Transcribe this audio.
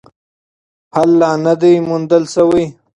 حل لا نه دی موندل سوی.